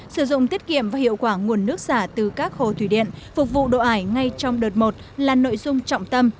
sử dụng tiết kiệm và hiệu quả nguồn nước xả từ các hồ thủy điện phục vụ đổ ải ngay trong đợt một là nội dung trọng tâm